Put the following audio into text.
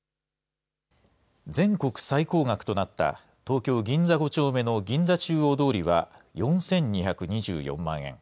全国最高額となった東京・銀座５丁目の銀座中央通りは、４２２４万円。